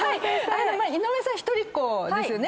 井上さん一人っ子ですね。